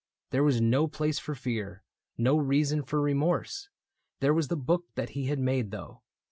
There was no place for fear. No reason for remorse. There was the book That he had made, though.